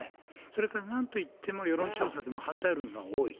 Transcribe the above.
それからなんといっても、世論調査でも反対論が多い。